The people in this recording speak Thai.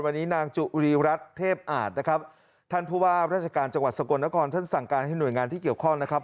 วันนี้นางจุรีรัฐเทพอาจนะครับท่านผู้ว่าราชการจังหวัดสกลนครท่านสั่งการให้หน่วยงานที่เกี่ยวข้องนะครับ